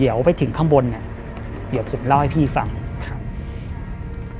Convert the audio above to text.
เดี๋ยวไปถึงข้างบนเนี้ยเดี๋ยวผมเล่าให้พี่ฟังครับ